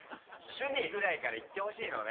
趣味ぐらいからいってほしいのね